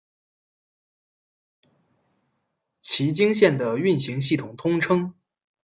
崎京线的运行系统通称。